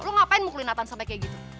lo ngapain mau keliatan sampe kayak gitu